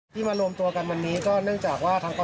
เหมือนจะไม่มีถือเราต้องว่าถ้าแบบนี้